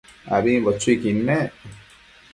ambimbo chuiquid nec